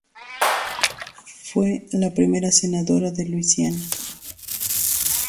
Fue la primera senadora de Luisiana.